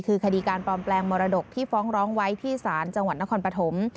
คือคดีการปลอมแปลงมรดกที่ฟ้องร้องไว้ที่ศาลจังหวัดนครปฐม